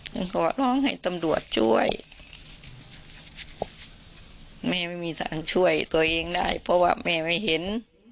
หนูก็ร้องให้ตำรวจช่วยแม่ไม่มีทางช่วยตัวเองได้เพราะว่าแม่ไม่เห็น